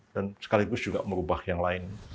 dan sekaligus juga merubah yang lain